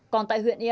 còn tại huyện lê cưu